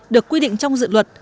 được quy định trong dự luật